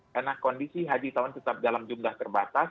karena kondisi haji tahun tetap dalam jumlah terbatas